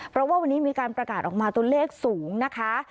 เพราะว่าวันนี้มีการประกาศออกมาตัวเลขสูงนะคะ